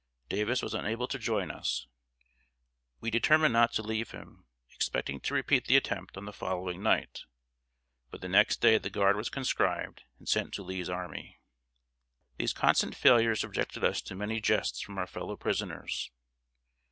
Davis was unable to join us; we determined not to leave him, expecting to repeat the attempt on the following night; but the next day the guard was conscribed and sent to Lee's army. These constant failures subjected us to many jests from our fellow prisoners.